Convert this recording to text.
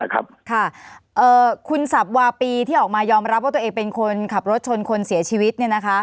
คุณสับวาปีที่ออกมายอมรับว่าตัวเองเป็นคนขับรถชนคนเสียชีวิต